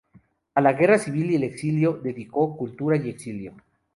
A la guerra civil y el exilio dedicó "Cultura y exilio.